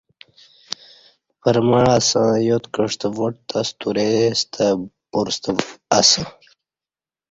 پرمع اسݩ یاد کعستہ واٹ تہ سترے ستہ پورستہ اسہ